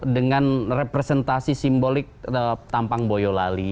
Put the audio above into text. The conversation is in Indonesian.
dengan representasi simbolik tampang boyolali